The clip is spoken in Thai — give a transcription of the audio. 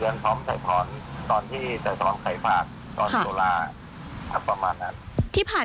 สวัสดีครับ